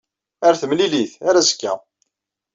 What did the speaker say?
Ar timlilit. Ar azekka.